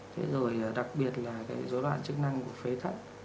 thế rồi đặc biệt là cái dối loạn chức năng của phế thận